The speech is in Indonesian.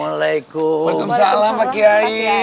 waalaikumsalam pak kiai